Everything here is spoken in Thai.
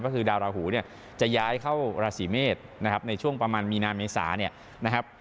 ก็คือดาวราหูเนี่ยจะย้ายเข้าราศีเมษนะครับในช่วงประมาณมีนาเมษาเนี่ยนะครับ